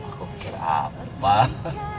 aku pikir apa pak